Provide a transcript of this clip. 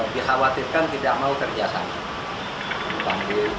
dikhawatirkan tidak mau kerjasama